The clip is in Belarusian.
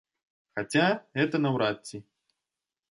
Хаця, гэта наўрад ці.